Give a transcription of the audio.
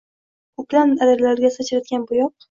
Koʻklam adirlarga sachratgan boʻyoq